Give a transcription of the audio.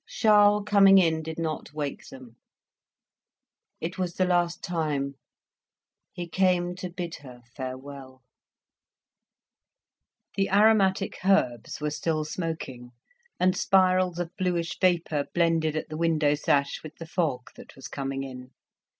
Charles coming in did not wake them. It was the last time; he came to bid her farewell. The aromatic herbs were still smoking, and spirals of bluish vapour blended at the window sash with the fog that was coming in.